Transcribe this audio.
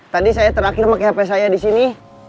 tadi saya terakhir pake hp saya disini